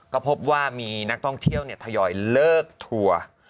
ก็พบว่ามีนักท่องเที่ยวทยอยเลิกทัวร์